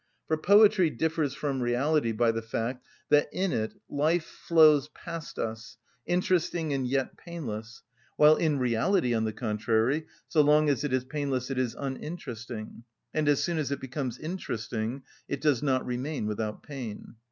For poetry differs from reality by the fact that in it life flows past us, interesting and yet painless; while in reality, on the contrary, so long as it is painless it is uninteresting, and as soon as it becomes interesting, it does not remain without pain.